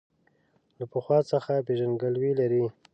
له پخوا څخه پېژندګلوي لري.